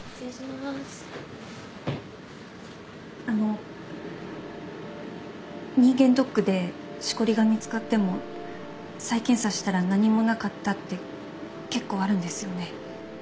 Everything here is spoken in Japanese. あの人間ドックでしこりが見つかっても再検査したら何もなかったって結構あるんですよね。